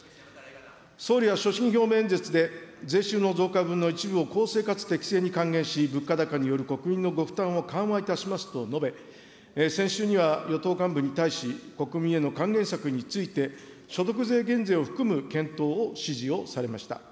総理は所信表明演説で、税収の増加分の一部を公正かつ適正に還元し、物価高による国民のご負担を緩和いたしますと述べ、先週には与党幹部に対し、国民への還元策について、所得税減税を含む検討を指示をされました。